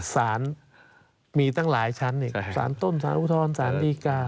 สารมีตั้งหลายชั้นสารต้มสารอุทธรณ์สารดีกา